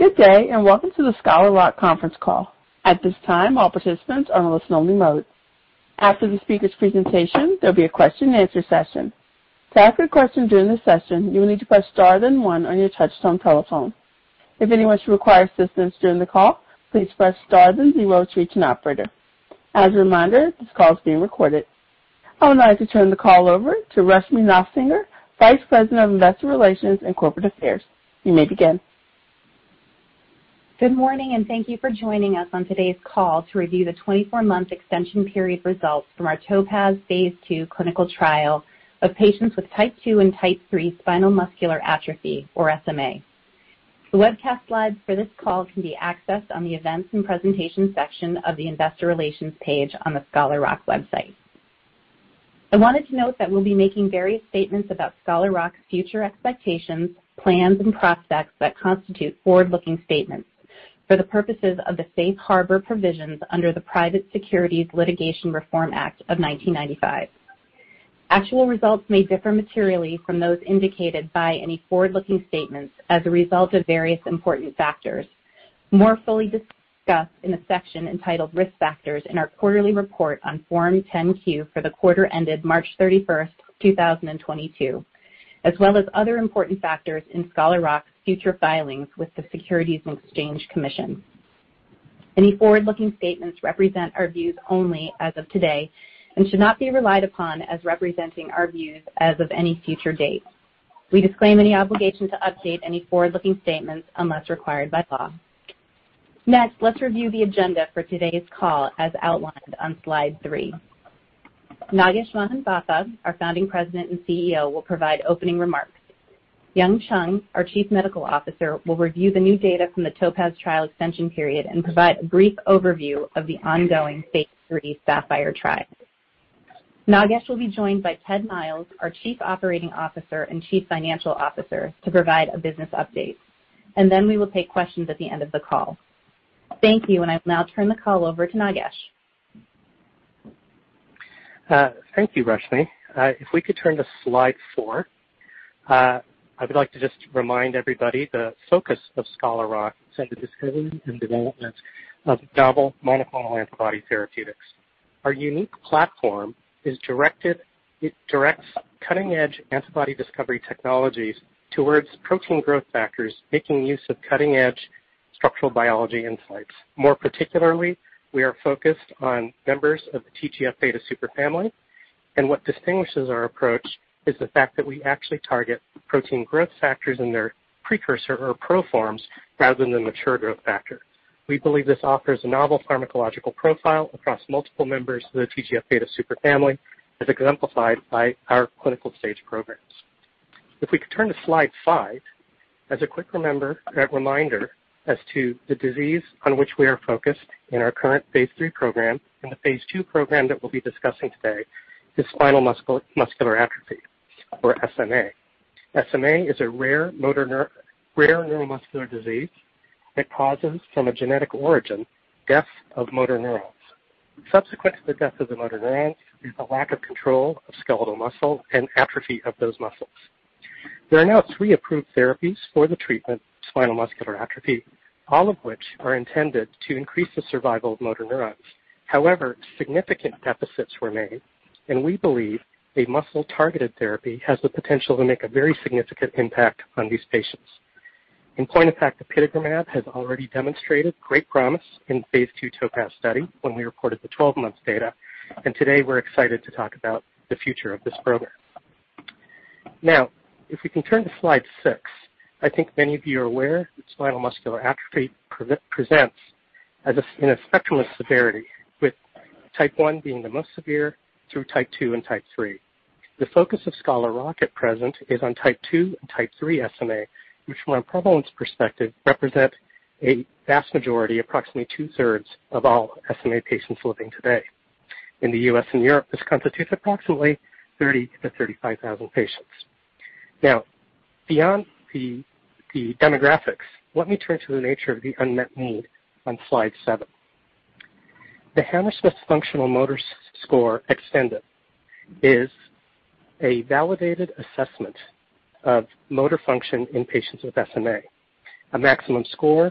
Good day, and welcome to the Scholar Rock Conference Call. At this time, all participants are on a listen only mode. After the speaker's presentation, there'll be a question and answer session. To ask a question during the session, you will need to press star then one on your touchtone telephone. If anyone should require assistance during the call, please press star then zero to reach an operator. As a reminder, this call is being recorded. I would now like to turn the call over to Rushmie Nofsinger, Vice President of Investor Relations and Corporate Affairs. You may begin. Good morning, and thank you for joining us on today's call to review the 24-month extension period results from our TOPAZ phase II clinical trial of patients with type two and type three spinal muscular atrophy or SMA. The webcast slides for this call can be accessed on the Events and Presentation section of the Investor Relations page on the Scholar Rock website. I wanted to note that we'll be making various statements about Scholar Rock's future expectations, plans and prospects that constitute forward-looking statements for the purposes of the safe harbor provisions under the Private Securities Litigation Reform Act of 1995. Actual results may differ materially from those indicated by any forward-looking statements as a result of various important factors, more fully discussed in the section entitled Risk Factors in our quarterly report on Form 10-Q for the quarter ended March 31st, 2022, as well as other important factors in Scholar Rock's future filings with the Securities and Exchange Commission. Any forward-looking statements represent our views only as of today, and should not be relied upon as representing our views as of any future date. We disclaim any obligation to update any forward-looking statements unless required by law. Next, let's review the agenda for today's call as outlined on slide three. Nagesh Mahanthappa, our Founding President and CEO, will provide opening remarks. Yung Chyung, our Chief Medical Officer, will review the new data from the TOPAZ trial extension period and provide a brief overview of the ongoing phase III SAPPHIRE trial. Nagesh will be joined by Ted Myles, our Chief Operating Officer and Chief Financial Officer, to provide a business update. We will take questions at the end of the call. Thank you, and I'll now turn the call over to Nagesh. Thank you, Rushmie. If we could turn to slide four. I would like to just remind everybody the focus of Scholar Rock is on the discovery and development of novel monoclonal antibody therapeutics. Our unique platform it directs cutting-edge antibody discovery technologies towards protein growth factors, making use of cutting-edge structural biology insights. More particularly, we are focused on members of the TGF-beta superfamily. What distinguishes our approach is the fact that we actually target protein growth factors in their precursor or pro forms rather than the mature growth factor. We believe this offers a novel pharmacological profile across multiple members of the TGF-beta superfamily, as exemplified by our clinical stage programs. If we could turn to slide five. As a quick reminder as to the disease on which we are focused in our current phase III program and the phase II program that we'll be discussing today, is spinal muscular atrophy, or SMA. SMA is a rare neuromuscular disease that causes, from a genetic origin, death of motor neurons. Subsequent to the death of the motor neurons is a lack of control of skeletal muscle and atrophy of those muscles. There are now three approved therapies for the treatment of spinal muscular atrophy, all of which are intended to increase the survival of motor neurons. However, significant deficits remain, and we believe a muscle-targeted therapy has the potential to make a very significant impact on these patients. In point of fact, Apitegromab has already demonstrated great promise in phase II TOPAZ study when we reported the 12-month data, and today we're excited to talk about the future of this program. Now, if we can turn to slide six. I think many of you are aware that spinal muscular atrophy presents as a, in a spectrum of severity, with type one being the most severe through type two and type three. The focus of Scholar Rock at present is on type two and type three SMA, which from a prevalence perspective represent a vast majority, approximately two-thirds of all SMA patients living today. In the U.S. and Europe, this constitutes approximately 30,000-35,000 patients. Now, beyond the demographics, let me turn to the nature of the unmet need on slide seven. The Hammersmith Functional Motor Scale Expanded is a validated assessment of motor function in patients with SMA. A maximum score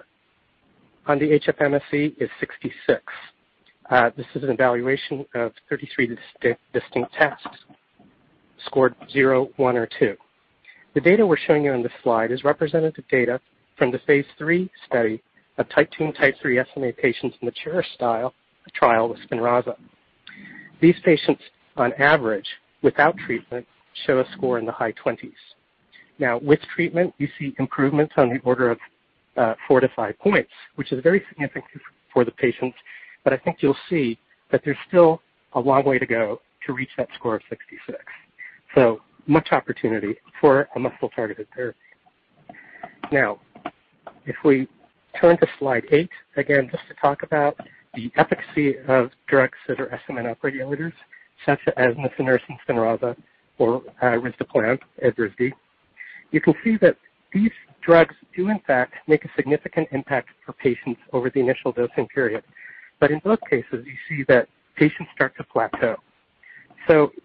on the HFMSE is 66. This is an evaluation of 33 distinct tasks scored zero, one, or two. The data we're showing you on this slide is representative data from the phase III study of type two and type three SMA patients in the CHERISH trial with Spinraza. These patients, on average, without treatment, show a score in the high 20s. Now, with treatment, you see improvements on the order of four to five points, which is very significant for the patients, but I think you'll see that there's still a long way to go to reach that score of 66. Much opportunity for a muscle-targeted therapy. Now, if we turn to slide eight, again, just to talk about the efficacy of drugs that are SMN upregulators, such as nusinersen Spinraza or risdiplam Evrysdi. You can see that these drugs do in fact make a significant impact for patients over the initial dosing period. In both cases you see that patients start to plateau.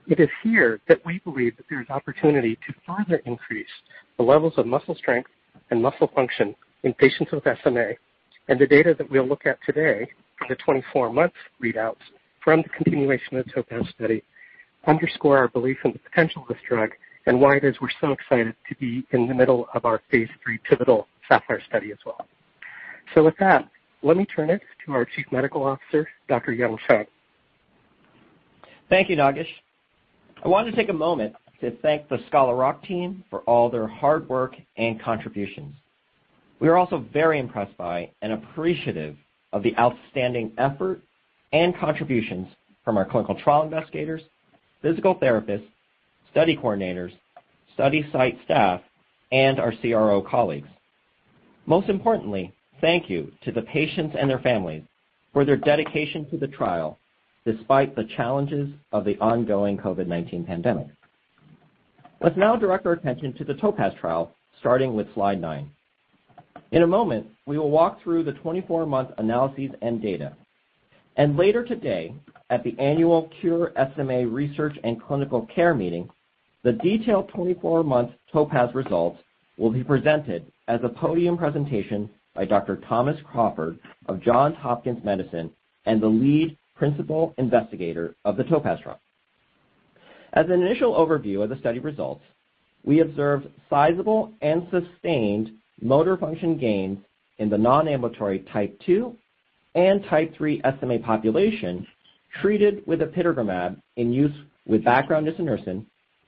It is here that we believe that there's opportunity to further increase the levels of muscle strength and muscle function in patients with SMA. The data that we'll look at today for the 24-month readouts from the continuation of the TOPAZ study underscore our belief in the potential of this drug and why it is we're so excited to be in the middle of our phase III pivotal SAPPHIRE study as well. With that, let me turn it to our Chief Medical Officer, Dr. Yung Chyung. Thank you, Nagesh. I want to take a moment to thank the Scholar Rock team for all their hard work and contributions. We are also very impressed by and appreciative of the outstanding effort and contributions from our clinical trial investigators, physical therapists, study coordinators, study site staff, and our CRO colleagues. Most importantly, thank you to the patients and their families for their dedication to the trial despite the challenges of the ongoing COVID-19 pandemic. Let's now direct our attention to the TOPAZ trial, starting with slide nine. In a moment, we will walk through the 24-month analyses and data. Later today, at the annual SMA Research & Clinical Care Meeting, the detailed 24-month TOPAZ results will be presented as a podium presentation by Dr. Thomas Crawford of Johns Hopkins Medicine and the lead principal investigator of the TOPAZ trial. As an initial overview of the study results, we observed sizable and sustained motor function gains in the non-ambulatory type two and type three SMA population treated with Apitegromab in use with background nusinersen,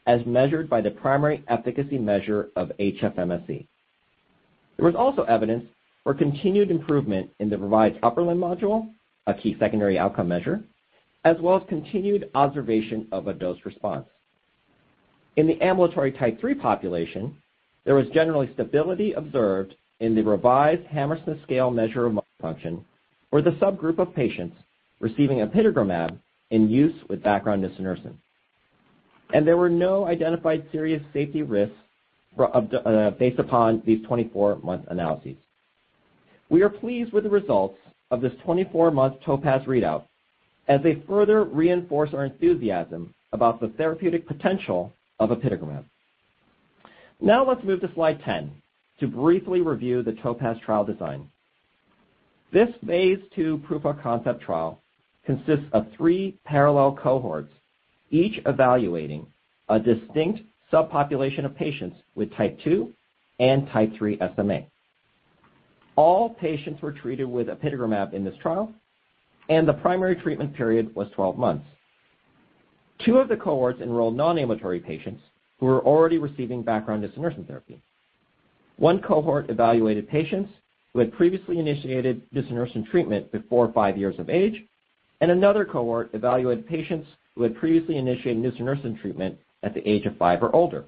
as measured by the primary efficacy measure of HFMSE. There was also evidence for continued improvement in the Revised Upper Limb Module, a key secondary outcome measure, as well as continued observation of a dose response. In the ambulatory type three population, there was generally stability observed in the Revised Hammersmith Scale measure of motor function for the subgroup of patients receiving Apitegromab in use with background nusinersen, and there were no identified serious safety risks based upon these 24-month analyses. We are pleased with the results of this 24-month TOPAZ readout as they further reinforce our enthusiasm about the therapeutic potential of Apitegromab. Now let's move to slide 10 to briefly review the TOPAZ trial design. This phase II proof of concept trial consists of three parallel cohorts, each evaluating a distinct subpopulation of patients with type two and type three SMA. All patients were treated with Apitegromab in this trial, and the primary treatment period was 12 months. Two of the cohorts enrolled non-ambulatory patients who were already receiving background nusinersen therapy. One cohort evaluated patients who had previously initiated nusinersen treatment before five years of age, and another cohort evaluated patients who had previously initiated nusinersen treatment at the age of five or older.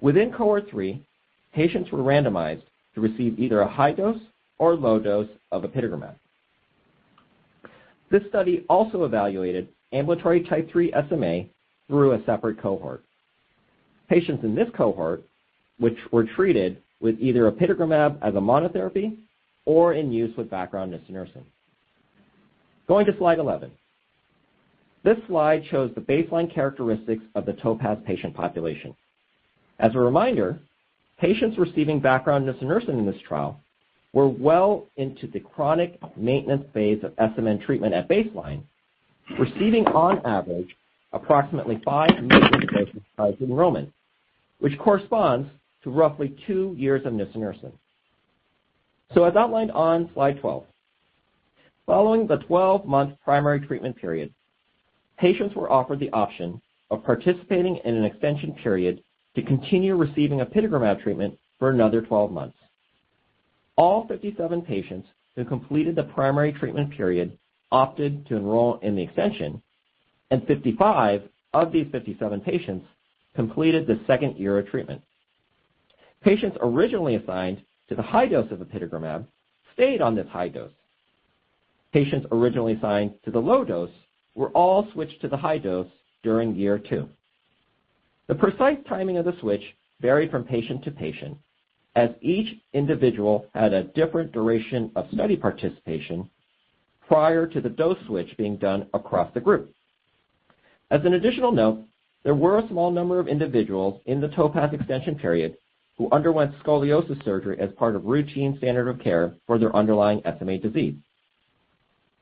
Within cohort three, patients were randomized to receive either a high dose or low dose of Apitegromab. This study also evaluated ambulatory type three SMA through a separate cohort. Patients in this cohort, which were treated with either Apitegromab as a monotherapy or in combination with background nusinersen. Going to slide 11. This slide shows the baseline characteristics of the TOPAZ patient population. As a reminder, patients receiving background nusinersen in this trial were well into the chronic maintenance phase of SMN treatment at baseline, receiving on average approximately five doses prior to enrollment, which corresponds to roughly two years of nusinersen. As outlined on slide 12, following the 12-month primary treatment period, patients were offered the option of participating in an extension period to continue receiving Apitegromab treatment for another 12 months. All 57 patients who completed the primary treatment period opted to enroll in the extension, and 55 of these 57 patients completed the second year of treatment. Patients originally assigned to the high dose of Apitegromab stayed on this high dose. Patients originally assigned to the low dose were all switched to the high dose during year two. The precise timing of the switch varied from patient to patient, as each individual had a different duration of study participation prior to the dose switch being done across the group. As an additional note, there were a small number of individuals in the TOPAZ extension period who underwent scoliosis surgery as part of routine standard of care for their underlying SMA disease.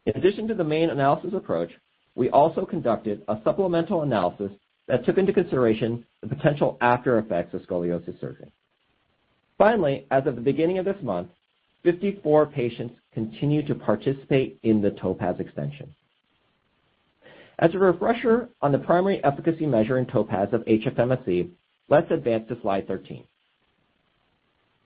In addition to the main analysis approach, we also conducted a supplemental analysis that took into consideration the potential after effects of scoliosis surgery. Finally, as of the beginning of this month, 54 patients continue to participate in the TOPAZ extension. As a refresher on the primary efficacy measure in TOPAZ of HFMSE, let's advance to slide 13.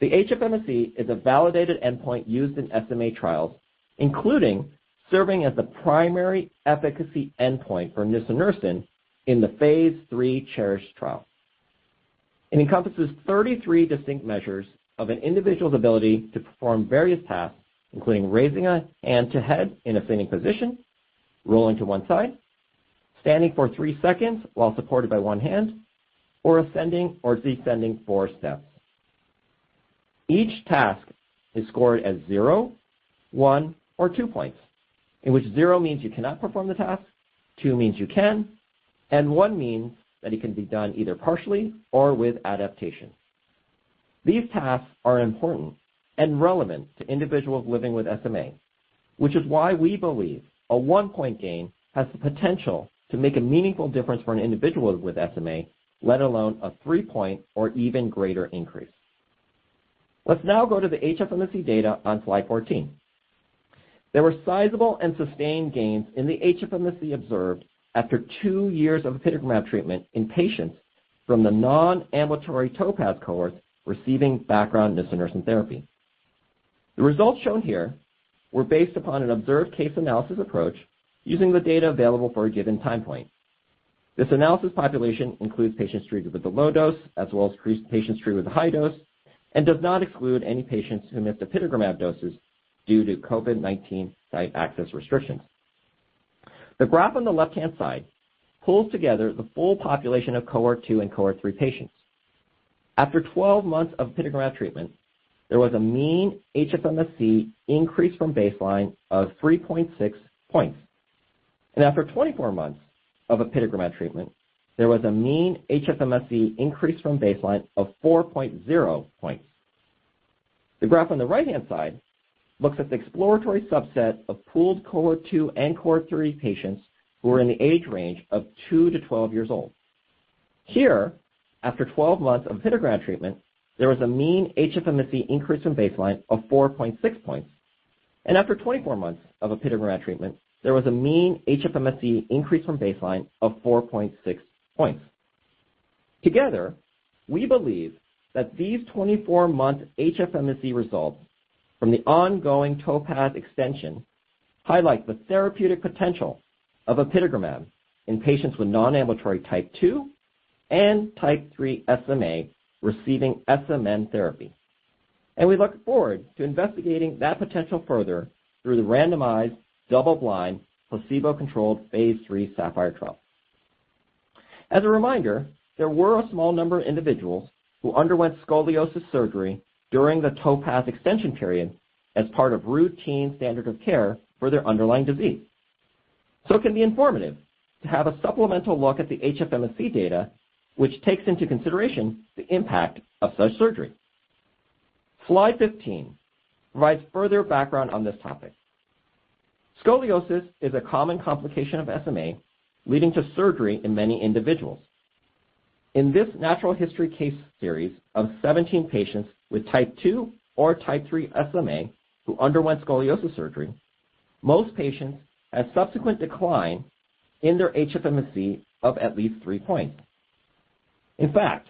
The HFMSE is a validated endpoint used in SMA trials, including serving as the primary efficacy endpoint for nusinersen in the phase III CHERISH trial. It encompasses 33 distinct measures of an individual's ability to perform various tasks, including raising a hand to head in a standing position, rolling to one side, standing for three seconds while supported by one hand, or ascending or descending four steps. Each task is scored as zero, one, or two points, in which zero means you cannot perform the task, two means you can, and one means that it can be done either partially or with adaptation. These tasks are important and relevant to individuals living with SMA, which is why we believe a one-point gain has the potential to make a meaningful difference for an individual with SMA, let alone a three-point or even greater increase. Let's now go to the HFMSE data on slide 14. There were sizable and sustained gains in the HFMSE observed after two years of Apitegromab treatment in patients from the non-ambulatory TOPAZ cohort receiving background nusinersen therapy. The results shown here were based upon an observed case analysis approach using the data available for a given time point. This analysis population includes patients treated with the low dose as well as patients treated with the high dose and does not exclude any patients who missed Apitegromab doses due to COVID-19 site access restrictions. The graph on the left-hand side pulls together the full population of cohort two and cohort three patients. After 12 months of Apitegromab treatment, there was a mean HFMSE increase from baseline of 3.6 points. After 24 months of Apitegromab treatment, there was a mean HFMSE increase from baseline of 4.0 points. The graph on the right-hand side looks at the exploratory subset of pooled cohort two and cohort three patients who are in the age range of two to 12 years old. Here, after 12 months of Apitegromab treatment, there was a mean HFMSE increase from baseline of 4.6 points. After 24 months of Apitegromab treatment, there was a mean HFMSE increase from baseline of 4.6 points. Together, we believe that these 24-month HFMSE results from the ongoing TOPAZ extension highlight the therapeutic potential of Apitegromab in patients with non-ambulatory type two and type three SMA receiving SMN therapy. We look forward to investigating that potential further through the randomized double-blind placebo-controlled phase III SAPPHIRE trial. As a reminder, there were a small number of individuals who underwent scoliosis surgery during the TOPAZ extension period as part of routine standard of care for their underlying disease. It can be informative to have a supplemental look at the HFMSE data which takes into consideration the impact of such surgery. Slide 15 provides further background on this topic. Scoliosis is a common complication of SMA leading to surgery in many individuals. In this natural history case series of 17 patients with type two or type three SMA who underwent scoliosis surgery, most patients had subsequent decline in their HFMSE of at least three points. In fact,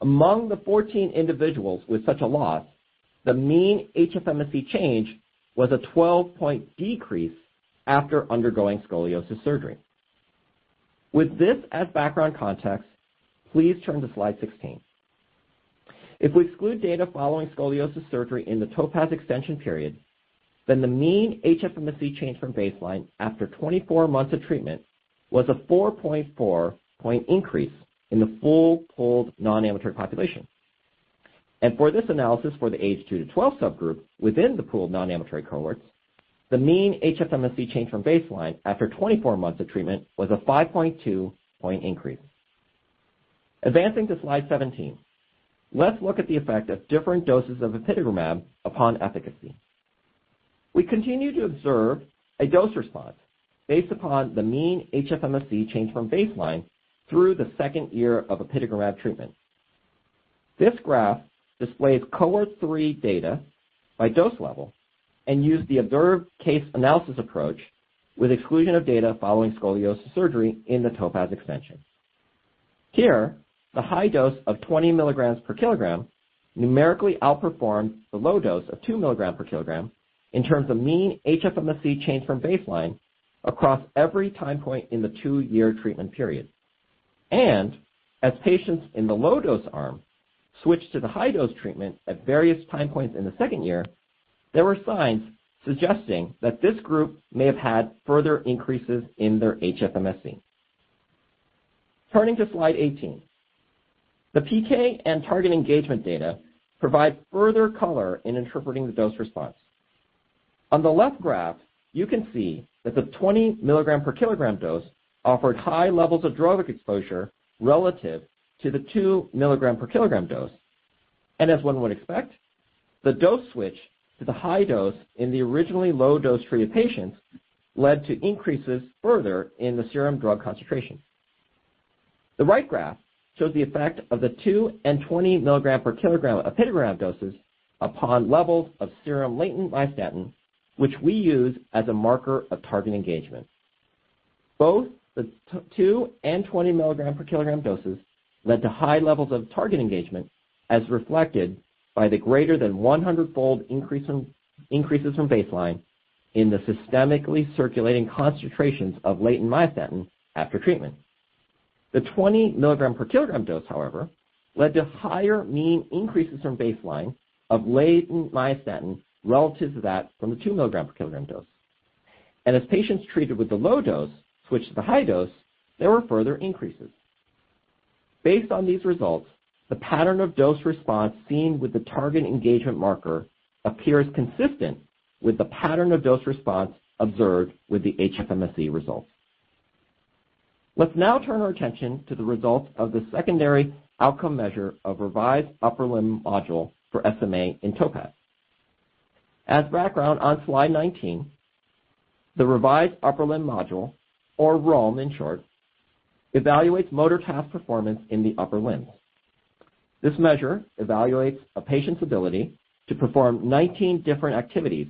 among the 14 individuals with such a loss, the mean HFMSE change was a 12-point decrease after undergoing scoliosis surgery. With this as background context, please turn to slide 16. If we exclude data following scoliosis surgery in the TOPAZ extension period, then the mean HFMSE change from baseline after 24 months of treatment was a 4.4-point increase in the full pooled non-ambulatory population. For this analysis for the age two to 12 subgroup within the pooled non-ambulatory cohorts, the mean HFMSE change from baseline after 24 months of treatment was a 5.2-point increase. Advancing to slide 17, let's look at the effect of different doses of Apitegromab upon efficacy. We continue to observe a dose response based upon the mean HFMSE change from baseline through the second year of Apitegromab treatment. This graph displays cohort three data by dose level and use the observed case analysis approach with exclusion of data following scoliosis surgery in the TOPAZ extension. Here, the high dose of 20 mg per kg numerically outperformed the low dose of 2 mg per kg in terms of mean HFMSE change from baseline across every time point in the two-year treatment period. As patients in the low dose arm switched to the high dose treatment at various time points in the second year, there were signs suggesting that this group may have had further increases in their HFMSE. Turning to slide 18, the PK and target engagement data provide further color in interpreting the dose response. On the left graph, you can see that the 20 mg per kg dose offered high levels of drug exposure relative to the 2 mg per kg dose. As one would expect, the dose switch to the high dose in the originally low dose treated patients led to increases further in the serum drug concentration. The right graph shows the effect of the two and 20 mg per kg apitegromab doses upon levels of serum latent myostatin, which we use as a marker of target engagement. Both the two and 20 mg per kg doses led to high levels of target engagement as reflected by the greater than 100-fold increases from baseline in the systemically circulating concentrations of latent myostatin after treatment. The 20 mg per kg dose, however, led to higher mean increases from baseline of latent myostatin relative to that from the 2 mg per kg dose. As patients treated with the low dose switched to the high dose, there were further increases. Based on these results, the pattern of dose response seen with the target engagement marker appears consistent with the pattern of dose response observed with the HFMSE results. Let's now turn our attention to the results of the secondary outcome measure of Revised Upper Limb Module for SMA in TOPAZ. As background on slide 19, the Revised Upper Limb Module, or RULM in short, evaluates motor task performance in the upper limb. This measure evaluates a patient's ability to perform 19 different activities,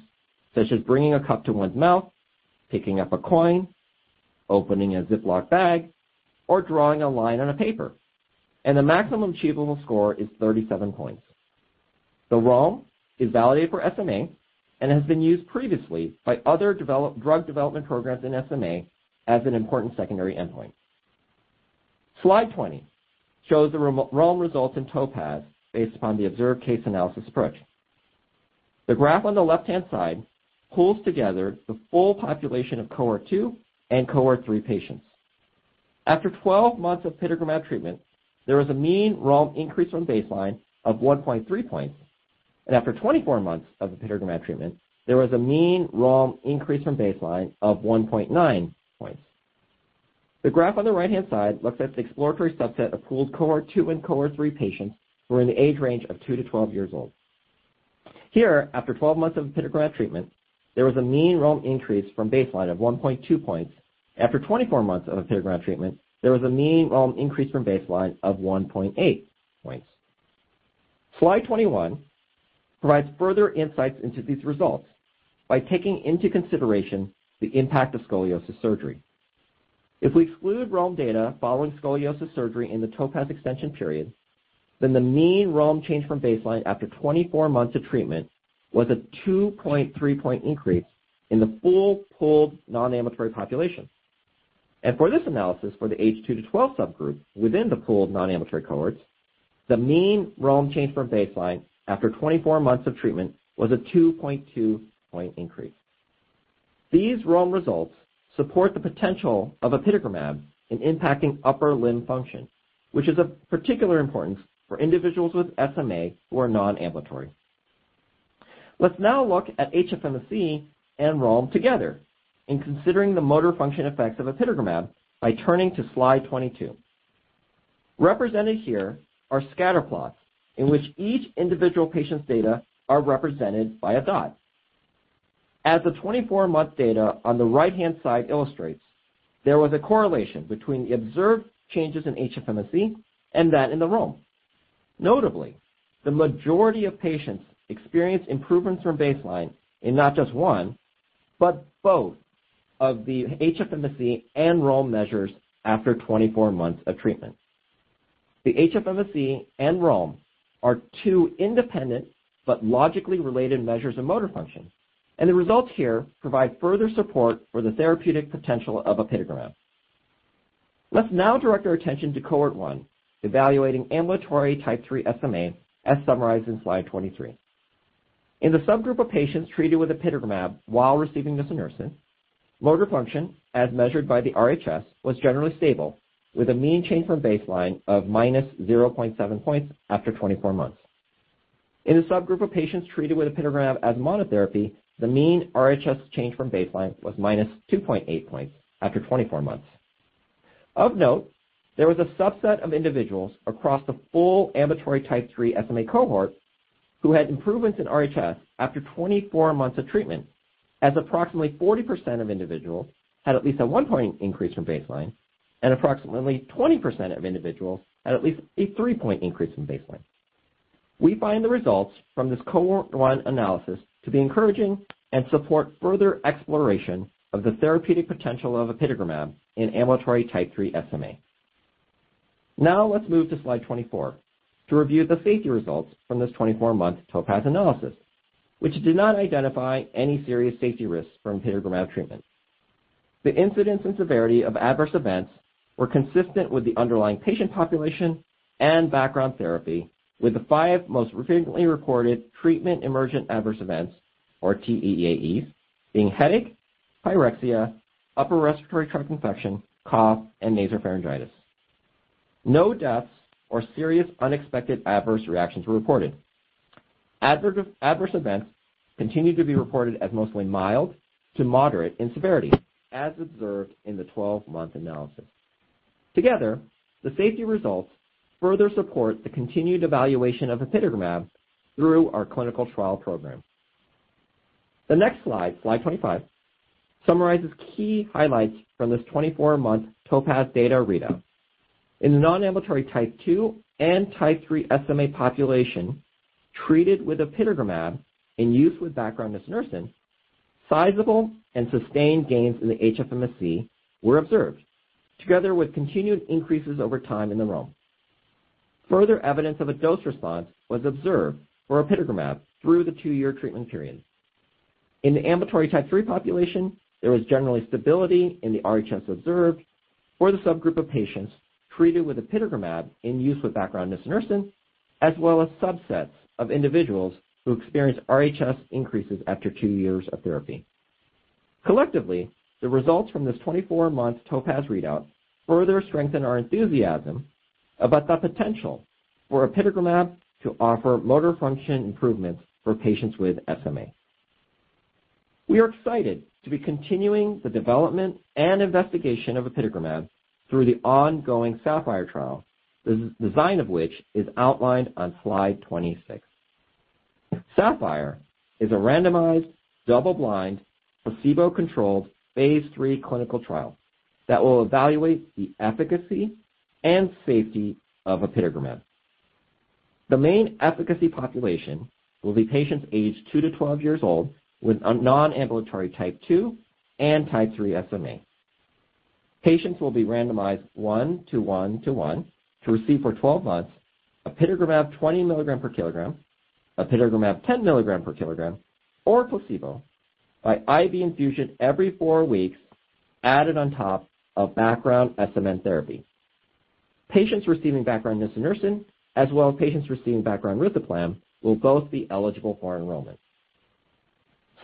such as bringing a cup to one's mouth, picking up a coin, opening a Ziploc bag, or drawing a line on a paper, and the maximum achievable score is 37 points. The RULM is validated for SMA and has been used previously by other drug development programs in SMA as an important secondary endpoint. Slide 20 shows the RULM results in TOPAZ based upon the observed case analysis approach. The graph on the left-hand side pulls together the full population of cohort two and cohort three patients. After 12 months of Apitegromab treatment, there was a mean ROM increase from baseline of 1.3 points, and after 24 months of the Apitegromab treatment, there was a mean ROM increase from baseline of 1.9 points. The graph on the right-hand side looks at the exploratory subset of pooled cohort two and cohort three patients who are in the age range of two to 12 years old. Here, after 12 months of Apitegromab treatment, there was a mean ROM increase from baseline of 1.2 points. After 24 months of Apitegromab treatment, there was a mean ROM increase from baseline of 1.8 points. Slide 21 provides further insights into these results by taking into consideration the impact of scoliosis surgery. If we exclude RULM data following scoliosis surgery in the TOPAZ extension period, then the mean RULM change from baseline after 24 months of treatment was a 2.3-point increase in the full pooled non-ambulatory population. For this analysis, for the age two to 12 subgroup within the pooled non-ambulatory cohorts, the mean RULM change from baseline after 24 months of treatment was a 2.2-point increase. These RULM results support the potential of Apitegromab in impacting upper limb function, which is of particular importance for individuals with SMA who are non-ambulatory. Let's now look at HFMSE and RULM together in considering the motor function effects of Apitegromab by turning to slide 22. Represented here are scatter plots in which each individual patient's data are represented by a dot. As the 24-month data on the right-hand side illustrates, there was a correlation between the observed changes in HFMSE and that in the RULM. Notably, the majority of patients experienced improvements from baseline in not just one, but both of the HFMSE and RULM measures after 24 months of treatment. The HFMSE and RULM are two independent but logically related measures of motor function, and the results here provide further support for the therapeutic potential of Apitegromab. Let's now direct our attention to cohort one, evaluating ambulatory type three SMA, as summarized in slide 23. In the subgroup of patients treated with Apitegromab while receiving nusinersen, motor function as measured by the RHS was generally stable with a mean change from baseline of -0.7 points after 24 months. In the subgroup of patients treated with Apitegromab as monotherapy, the mean RHS change from baseline was -2.8 points after 24 months. Of note, there was a subset of individuals across the full ambulatory type three SMA cohort who had improvements in RHS after 24 months of treatment, as approximately 40% of individuals had at least a one-point increase from baseline, and approximately 20% of individuals had at least a three-point increase from baseline. We find the results from this cohort one analysis to be encouraging and support further exploration of the therapeutic potential of Apitegromab in ambulatory type three SMA. Now let's move to slide 24 to review the safety results from this 24-month TOPAZ analysis, which did not identify any serious safety risks from Apitegromab treatment. The incidence and severity of adverse events were consistent with the underlying patient population and background therapy, with the five most frequently reported treatment emergent adverse events, or TEAEs, being headache, pyrexia, upper respiratory tract infection, cough, and nasopharyngitis. No deaths or serious unexpected adverse reactions were reported. Adverse events continued to be reported as mostly mild to moderate in severity, as observed in the 12-month analysis. Together, the safety results further support the continued evaluation of apitegromab through our clinical trial program. The next slide 25, summarizes key highlights from this 24-month TOPAZ data readout. In the non-ambulatory type two and type three SMA population treated with apitegromab plus background Nusinersen, sizable and sustained gains in the HFMSE were observed, together with continued increases over time in the RULM. Further evidence of a dose response was observed for apitegromab through the two-year treatment period. In the ambulatory type three population, there was generally stability in the RHS observed. For the subgroup of patients treated with Apitegromab in use with background nusinersen, as well as subsets of individuals who experience RHS increases after two 2 years of therapy. Collectively, the results from this 24-month TOPAZ readout further strengthen our enthusiasm about the potential for Apitegromab to offer motor function improvements for patients with SMA. We are excited to be continuing the development and investigation of Apitegromab through the ongoing SAPPHIRE trial, the design of which is outlined on slide 26. SAPPHIRE is a randomized, double-blind, placebo-controlled phase III clinical trial that will evaluate the efficacy and safety of Apitegromab. The main efficacy population will be patients aged two to 12 years old with non-ambulatory type two and type three SMA. Patients will be randomized 1:1:1 to receive for 12 months Apitegromab 20 mg/kg, Apitegromab 10 mg per kg, or placebo by IV infusion every four weeks added on top of background SMN therapy. Patients receiving background nusinersen as well as patients receiving background Risdiplam will both be eligible for enrollment.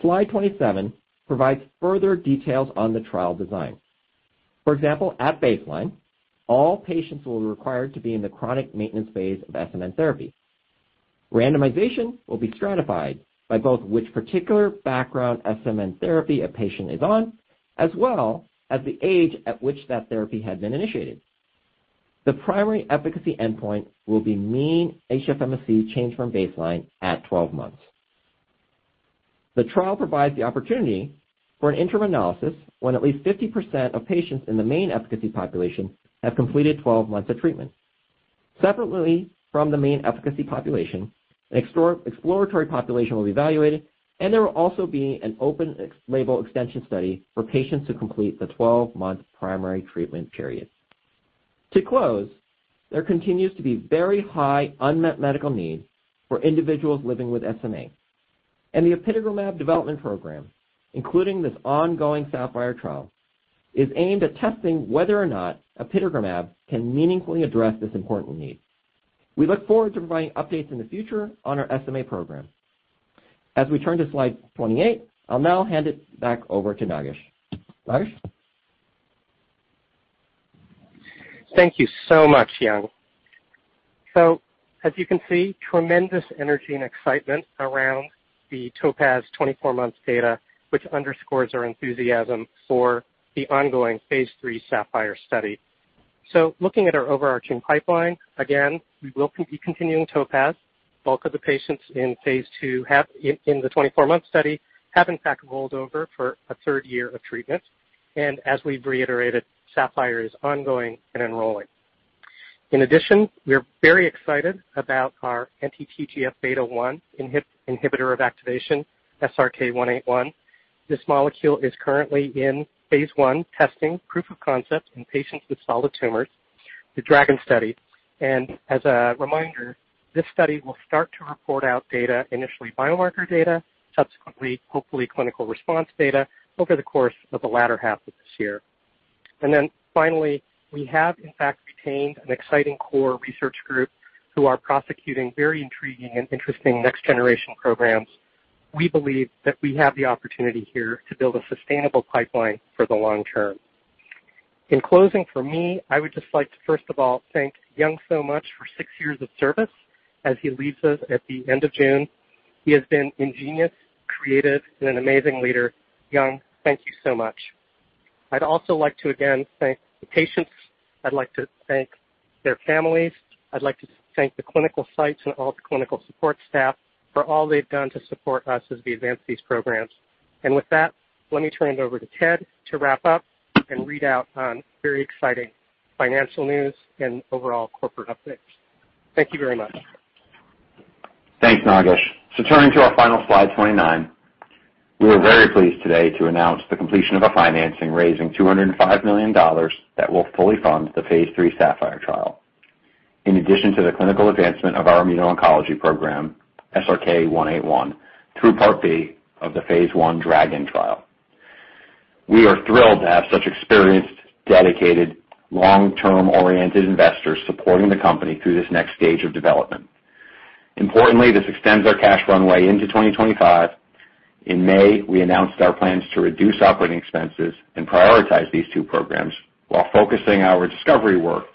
Slide 27 provides further details on the trial design. For example, at baseline, all patients will be required to be in the chronic maintenance phase of SMN therapy. Randomization will be stratified by both which particular background SMN therapy a patient is on as well as the age at which that therapy had been initiated. The primary efficacy endpoint will be mean HFMSE change from baseline at 12 months. The trial provides the opportunity for an interim analysis when at least 50% of patients in the main efficacy population have completed 12 months of treatment. Separately from the main efficacy population, an exploratory population will be evaluated, and there will also be an open label extension study for patients to complete the 12-month primary treatment period. To close, there continues to be very high unmet medical need for individuals living with SMA. The Apitegromab development program, including this ongoing SAPPHIRE trial, is aimed at testing whether or not Apitegromab can meaningfully address this important need. We look forward to providing updates in the future on our SMA program. As we turn to slide 28, I'll now hand it back over to Nagesh. Nagesh? Thank you so much, Yung Chyung. As you can see, tremendous energy and excitement around the TOPAZ 24-month data, which underscores our enthusiasm for the ongoing phase III SAPPHIRE study. Looking at our overarching pipeline, again, we will be continuing TOPAZ. Bulk of the patients in phase II in the 24-month study have in fact rolled over for a third year of treatment. As we've reiterated, SAPPHIRE is ongoing and enrolling. In addition, we are very excited about our anti-TGF-β1 inhibitor of activation, SRK-181. This molecule is currently in phase I proof-of-concept testing in patients with solid tumors, the DRAGON study. As a reminder, this study will start to report out data, initially biomarker data, subsequently, hopefully clinical response data over the course of the latter half of this year. Then finally, we have in fact retained an exciting core research group who are prosecuting very intriguing and interesting next-generation programs. We believe that we have the opportunity here to build a sustainable pipeline for the long term. In closing for me, I would just like to first of all thank Yung so much for six years of service as he leaves us at the end of June. He has been ingenious, creative, and an amazing leader. Yung, thank you so much. I'd also like to again thank the patients. I'd like to thank their families. I'd like to thank the clinical sites and all the clinical support staff for all they've done to support us as we advance these programs. With that, let me turn it over to Ted to wrap up and read out on very exciting financial news and overall corporate updates. Thank you very much. Thanks, Nagesh. Turning to our final slide 29. We are very pleased today to announce the completion of a financing raising $205 million that will fully fund the phase III SAPPHIRE trial. In addition to the clinical advancement of our immuno-oncology program, SRK-181, through Part B of the phase I DRAGON trial. We are thrilled to have such experienced, dedicated, long-term oriented investors supporting the company through this next stage of development. Importantly, this extends our cash runway into 2025. In May, we announced our plans to reduce operating expenses and prioritize these two programs while focusing our discovery work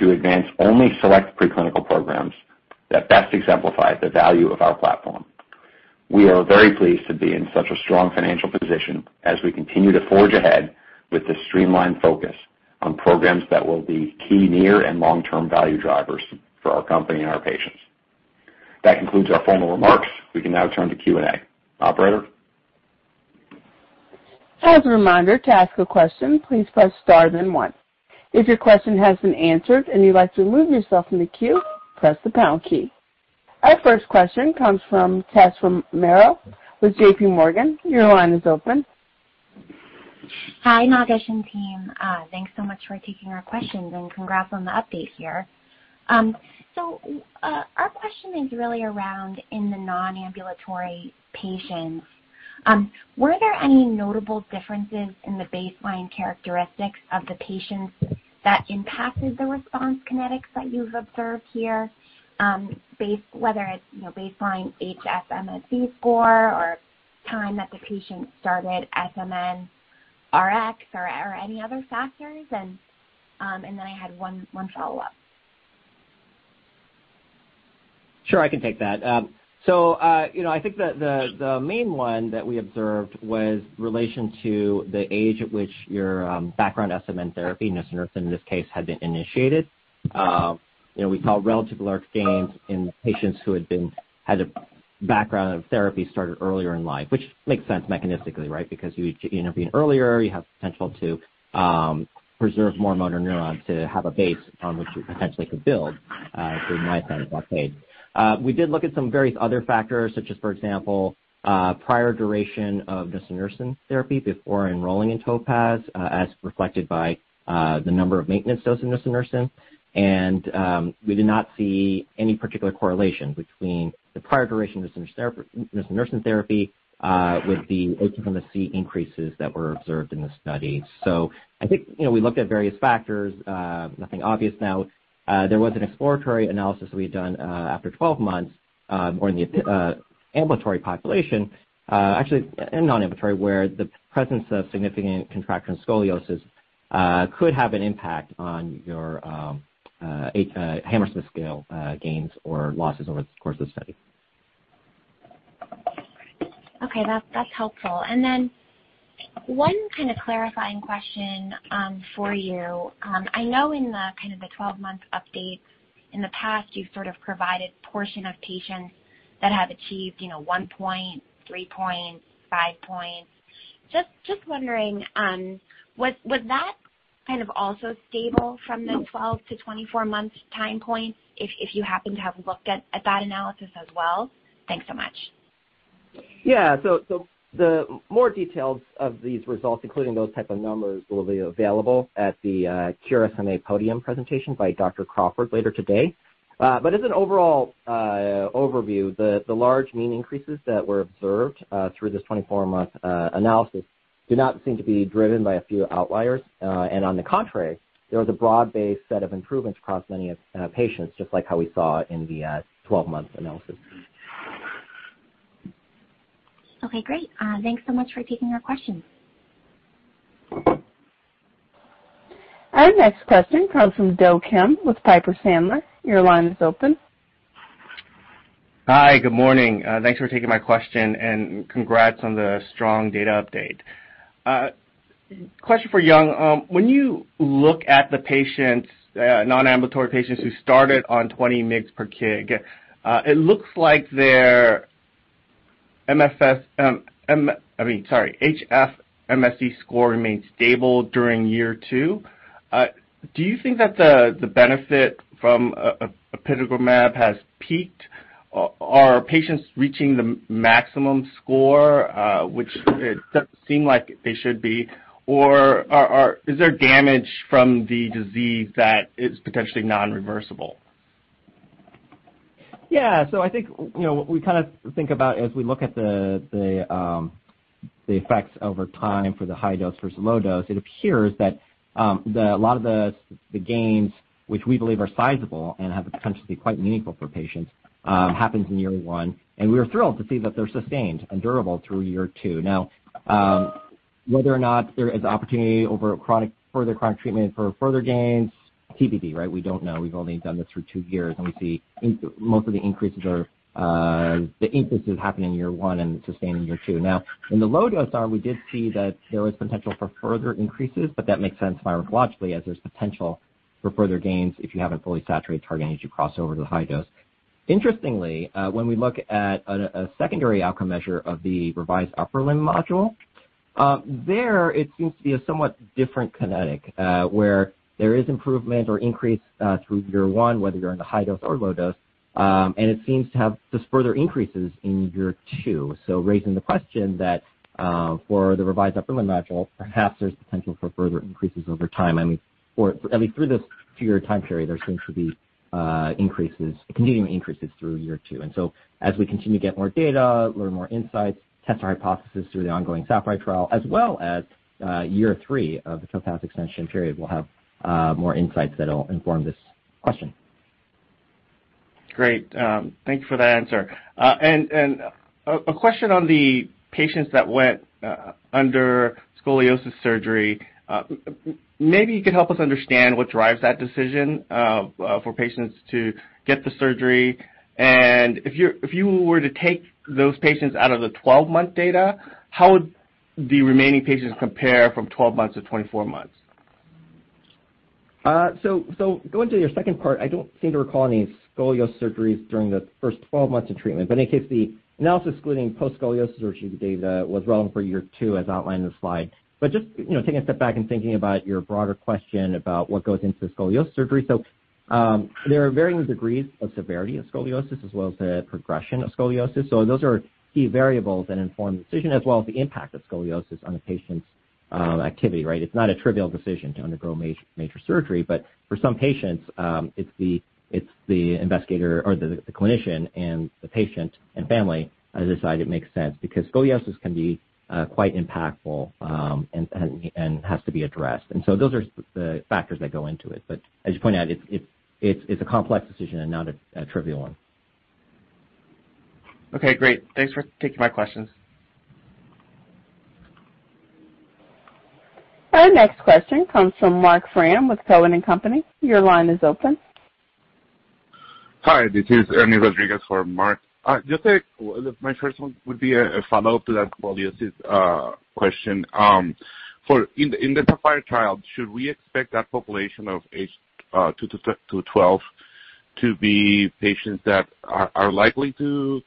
to advance only select preclinical programs that best exemplify the value of our platform. We are very pleased to be in such a strong financial position as we continue to forge ahead with this streamlined focus on programs that will be key near and long-term value drivers for our company and our patients. That concludes our formal remarks. We can now turn to Q&A. Operator? As a reminder, to ask a question, please press star then one. If your question has been answered and you'd like to remove yourself from the queue, press the pound key. Our first question comes from Tessa Romero with J.P. Morgan. Your line is open. Hi, Nagesh and team. Thanks so much for taking our questions and congrats on the update here. Our question is really around in the non-ambulatory patients. Were there any notable differences in the baseline characteristics of the patients that impacted the response kinetics that you've observed here? Whether it's, you know, baseline HFMSE score or time that the patient started SMN Rx or any other factors. Then I had one follow-up. Sure, I can take that. You know, I think the main one that we observed was in relation to the age at which your background SMN therapy, Nusinersen in this case, had been initiated. You know, we saw relatively large gains in patients who had a background of therapy started earlier in life, which makes sense mechanistically, right? Because you intervene earlier, you have potential to preserve more motor neurons to have a base on which you potentially could build through myostatin blockade. We did look at various other factors such as, for example, prior duration of Nusinersen therapy before enrolling in TOPAZ, as reflected by the number of maintenance dose of Nusinersen. We did not see any particular correlation between the prior duration of nusinersen therapy with the HF-MSE increases that were observed in the study. I think, you know, we looked at various factors, nothing obvious. Now, there was an exploratory analysis we had done after 12 months on the ambulatory population. Actually, and non-ambulatory, where the presence of significant contracture and scoliosis could have an impact on your Hammersmith scale gains or losses over the course of the study. Okay. That's helpful. Then one kind of clarifying question for you. I know in the kind of the 12-month updates in the past, you've sort of provided portion of patients that have achieved, you know, one point, three point, five points. Just wondering, was that kind of also stable from the 12-24 month time point, if you happen to have looked at that analysis as well? Thanks so much. The more details of these results, including those type of numbers, will be available at the Cure SMA podium presentation by Dr. Crawford later today. As an overall overview, the large mean increases that were observed through this 24-month analysis do not seem to be driven by a few outliers. On the contrary, there was a broad-based set of improvements across many of patients, just like how we saw in the 12-month analysis. Okay, great. Thanks so much for taking our questions. Our next question comes from Do Kim with Piper Sandler. Your line is open. Hi. Good morning. Thanks for taking my question, and congrats on the strong data update. Question for Yung. When you look at the patients, non-ambulatory patients who started on 20 mg per kg, it looks like their HF-MSE score remained stable during year two. Do you think that the benefit from Apitegromab has peaked? Are patients reaching the maximum score, which it does seem like they should be, or is there damage from the disease that is potentially non-reversible? Yeah. I think, you know, what we kinda think about as we look at the effects over time for the high dose versus low dose, it appears that a lot of the gains, which we believe are sizable and have the potential to be quite meaningful for patients, happens in year one, and we are thrilled to see that they're sustained and durable through year two. Now, whether or not there is opportunity over further chronic treatment for further gains, TBD, right? We don't know. We've only done this for two years, and we see most of the increases happen in year one and sustained in year two. Now, in the low-dose arm, we did see that there was potential for further increases, but that makes sense pharmacologically as there's potential for further gains if you haven't fully saturated targeting as you cross over to the high dose. Interestingly, when we look at a secondary outcome measure of the Revised Upper Limb Module, there it seems to be a somewhat different kinetics, where there is improvement or increase through year one, whether you're in the high dose or low dose, and it seems to have these further increases in year two. Raising the question that for the Revised Upper Limb Module, perhaps there's potential for further increases over time. I mean, at least through this two-year time period, there seems to be increases, continuing increases through year two. As we continue to get more data, learn more insights, test our hypothesis through the ongoing SAPPHIRE trial as well as year three of the TOPAZ extension period, we'll have more insights that'll inform this question. Great. Thank you for that answer. A question on the patients that went under scoliosis surgery. Maybe you could help us understand what drives that decision for patients to get the surgery. If you were to take those patients out of the 12-month data, how would the remaining patients compare from 12 months-24 months? Going to your second part, I don't seem to recall any scoliosis surgeries during the first 12 months of treatment. In any case, the analysis excluding post scoliosis surgery data was relevant for year two as outlined in the slide. Just, you know, taking a step back and thinking about your broader question about what goes into the scoliosis surgery. There are varying degrees of severity of scoliosis as well as the progression of scoliosis. Those are key variables that inform the decision, as well as the impact of scoliosis on a patient's activity, right? It's not a trivial decision to undergo major surgery, but for some patients, it's the investigator or the clinician and the patient and family decide it makes sense because scoliosis can be quite impactful, and has to be addressed. Those are the factors that go into it. As you point out, it's a complex decision and not a trivial one. Okay, great. Thanks for taking my questions. Our next question comes from Marc Frahm with Cowen and Company. Your line is open. Hi, this is Ernie Rodriguez for Marc Frahm. Just a follow-up to that scoliosis question. For the SAPPHIRE trial, should we expect that population of age two-12 to be patients that are likely to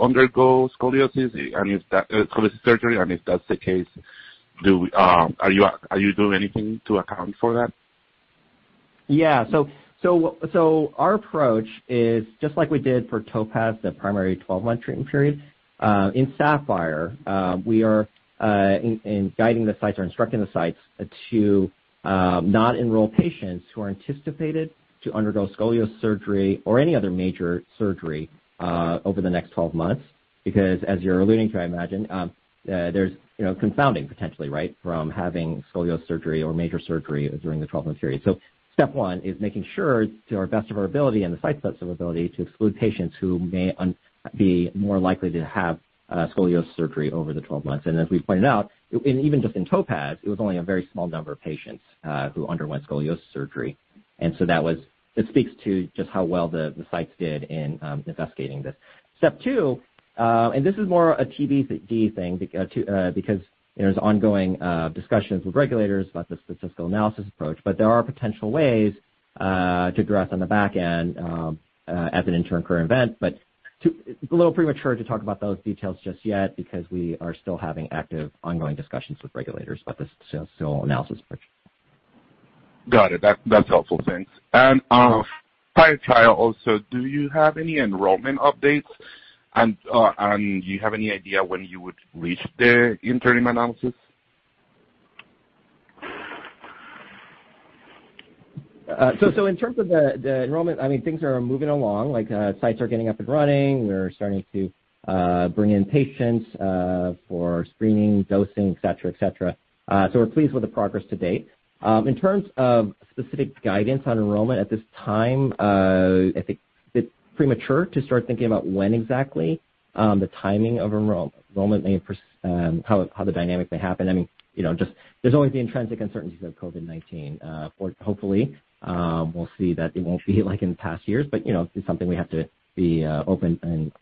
undergo scoliosis surgery? And if that's the case, are you doing anything to account for that? Our approach is just like we did for TOPAZ, the primary 12-month treatment period. In SAPPHIRE, we are guiding the sites or instructing the sites to not enroll patients who are anticipated to undergo scoliosis surgery or any other major surgery over the next 12 months. Because as you're alluding to, I imagine, there's, you know, confounding potentially, right? From having scoliosis surgery or major surgery during the 12-month period. Step one is making sure to our best of our ability and the site's best of ability to exclude patients who may be more likely to have scoliosis surgery over the 12 months. As we pointed out, even just in TOPAZ, it was only a very small number of patients who underwent scoliosis surgery. It speaks to just how well the sites did in investigating this. Step two, this is more a TBD thing because there's ongoing discussions with regulators about the statistical analysis approach. There are potential ways to address on the back end as an interim accrual event. It's a little premature to talk about those details just yet because we are still having active ongoing discussions with regulators about the statistical analysis approach. Got it. That's helpful. Thanks. SAPPHIRE trial also, do you have any enrollment updates? Do you have any idea when you would reach the interim analysis? In terms of the enrollment, I mean, things are moving along, like, sites are getting up and running. We're starting to bring in patients for screening, dosing, et cetera. We're pleased with the progress to date. In terms of specific guidance on enrollment at this time, I think it's premature to start thinking about when exactly the timing of enrollment. How the dynamic may happen. I mean, you know, just there's always the intrinsic uncertainties of COVID-19. Hopefully, we'll see that it won't be like in past years, but, you know, it's something we have to be open and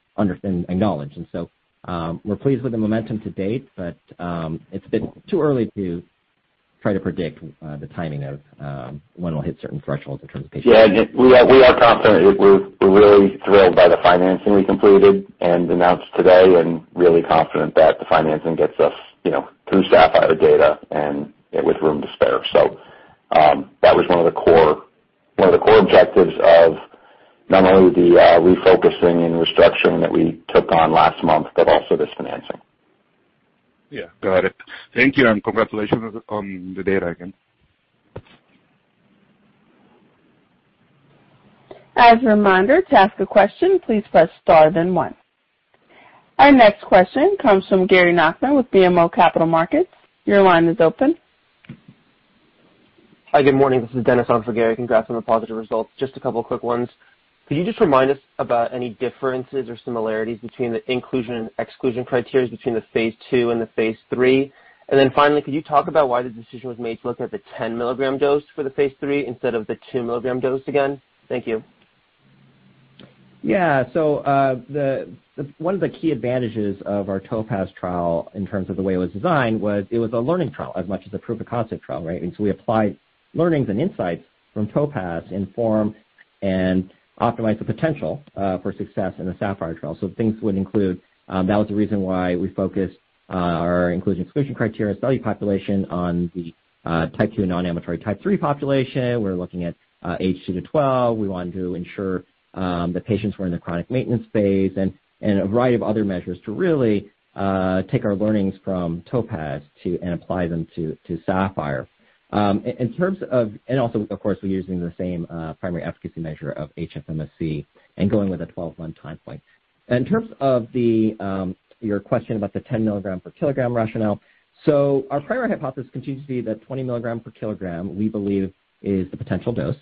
acknowledge. We're pleased with the momentum to date, but it's a bit too early to try to predict the timing of when we'll hit certain thresholds in terms of patients. Yeah, we are confident. We're really thrilled by the financing we completed and announced today and really confident that the financing gets us, you know, through SAPPHIRE data and with room to spare. That was one of the core objectives of not only the refocusing and restructuring that we took on last month, but also this financing. Yeah, got it. Thank you, and congratulations on the data again. As a reminder, to ask a question, please press star then one. Our next question comes from Gary Nachman with BMO Capital Markets. Your line is open. Hi, good morning. This is Dennis on for Gary. Congrats on the positive results. Just a couple quick ones. Could you just remind us about any differences or similarities between the inclusion and exclusion criteria between the phase II and the phase III? Then finally, could you talk about why the decision was made to look at the 10 mg dose for the phase III instead of the 2 mg dose again? Thank you. One of the key advantages of our TOPAZ trial in terms of the way it was designed was it was a learning trial as much as a proof of concept trial, right? We applied learnings and insights from TOPAZ to inform and optimize the potential for success in the SAPPHIRE trial. Things would include that was the reason why we focused our inclusion, exclusion criteria, study population on the type two non-ambulatory type three population. We're looking at age two to 12. We wanted to ensure the patients were in the chronic maintenance phase and a variety of other measures to really take our learnings from TOPAZ and apply them to SAPPHIRE. In terms of- Also, of course, we're using the same primary efficacy measure of HFMSE and going with a 12-month time point. In terms of your question about the 10 mg per kg rationale, our prior hypothesis continues to be that 20 mg per kg, we believe, is the potential dose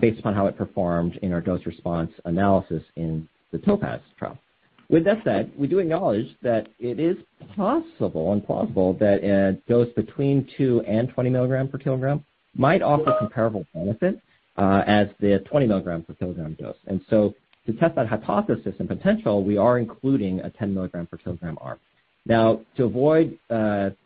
based upon how it performed in our dose-response analysis in the TOPAZ trial. With that said, we do acknowledge that it is possible and plausible that a dose between 2 mg and 20 mg per kg might offer comparable benefit as the 20 mg per kg dose. To test that hypothesis and potential, we are including a 10 mg per kg arm. Now, to avoid the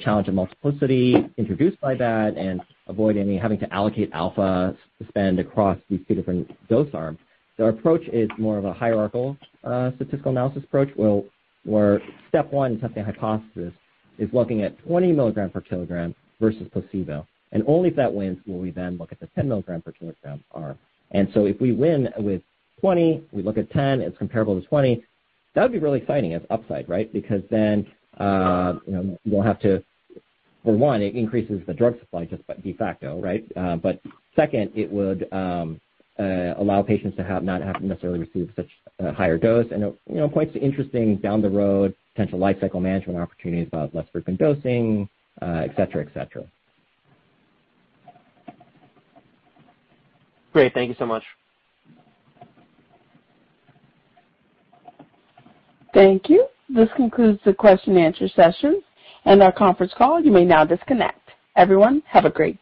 challenge of multiplicity introduced by that and avoid any having to allocate alpha spend across these two different dose arms, our approach is more of a hierarchical statistical analysis approach, where step one in testing the hypothesis is looking at 20 mg per kg versus placebo. Only if that wins will we then look at the 10 mg per kg arm. If we win with 20, we look at 10, it's comparable to 20, that would be really exciting as upside, right? Because then, you know, for one, it increases the drug supply just by de facto, right? But second, it would allow patients to not have to necessarily receive such a higher dose. You know, points to interesting down the road potential lifecycle management opportunities about less frequent dosing, et cetera, et cetera. Great. Thank you so much. Thank you. This concludes the question and answer session and our conference call. You may now disconnect. Everyone, have a great day.